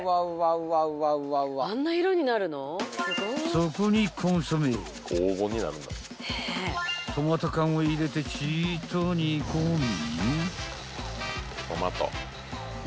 ［そこにコンソメトマト缶を入れてちぃっと煮込み］